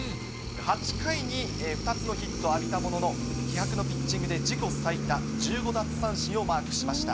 ８回に２つのヒットを浴びたものの、気迫のピッチングで自己最多１５奪三振をマークしました。